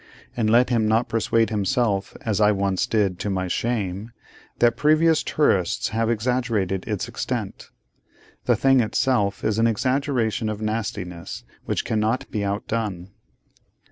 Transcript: And let him not persuade himself (as I once did, to my shame) that previous tourists have exaggerated its extent. The thing itself is an exaggeration of nastiness, which cannot be outdone.